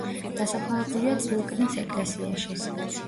დასაფლავებულია წილკნის ეკლესიაში.